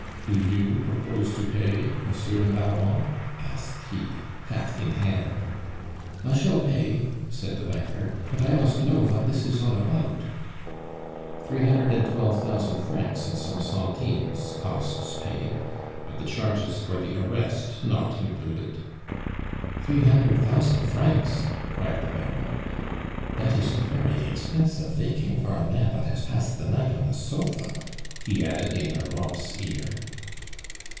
"Do you propose to pay, Monsieur le Baron?" asked he, hat in hand. "I shall pay," said the banker; "but I must know vat dis is all about." "Three hundred and twelve thousand francs and some centimes, costs paid; but the charges for the arrest not included." "Three hundred thousand francs," cried the Baron; "dat is a fery 'xpensive vaking for a man vat has passed the night on a sofa," he added in Europe's ear.